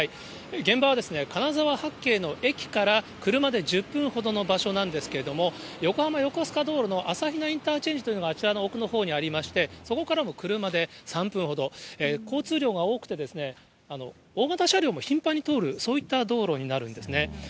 現場は金沢八景の駅から車で１０分ほどの場所なんですけれども、横浜横須賀道路のあさひなインターチェンジというのがあちらの奥のほうにありまして、そこからも車で３分ほど、交通量が多くて、大型車両も頻繁に通る、そういった道路になるんですね。